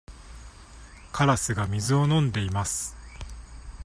鳥が水を飲んでいます。